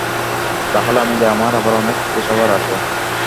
তা হলে আমি যাই, আমার আবার অনেক গোছাবার আছে।